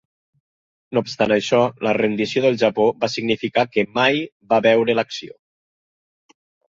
No obstant això, la rendició del Japó va significar que mai va veure l'acció.